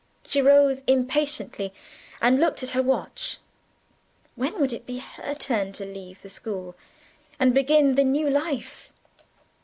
She rose impatiently, and looked at her watch. When would it be her turn to leave the school, and begin the new life?